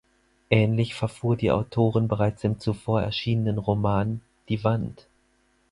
Ähnlich verfuhr die Autorin bereits im zuvor erschienenen Roman "Die Wand".